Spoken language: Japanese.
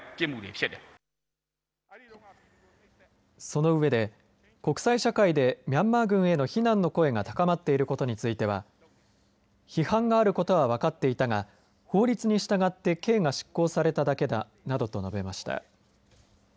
その上で国際社会でミャンマー軍に対する非難の声が高まっていることについては批判があることは分かっていたが法律に従って刑が執行されただけだなどと述べました。